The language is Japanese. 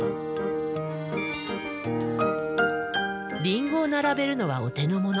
リンゴを並べるのはお手の物。